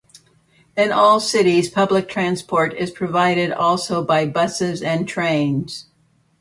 In all cities public transport is provided also by buses and trains.